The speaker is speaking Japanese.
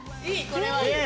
これはいい！